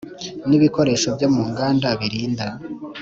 N ibikoresho byo mu nganda birinda